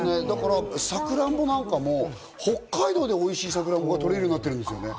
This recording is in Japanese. サクランボなんかも北海道でおいしいサクランボが取れるようになってるんですね。